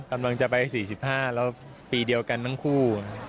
กำลังจะไป๔๕แล้วปีเดียวกันทั้งคู่